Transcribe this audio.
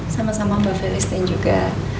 sama sama mbak felis dan juga